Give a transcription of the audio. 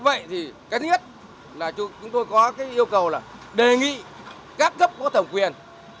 vậy thì cái nhất là chúng tôi có cái yêu cầu là đề nghị các cấp của thẩm quyền